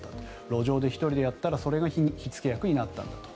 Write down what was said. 路上で１人でやったらそれが火付け役になったんだと。